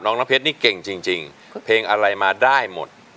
น้องน้ำเพชรนี่เก่งจริงเพลงอะไรมาได้หมด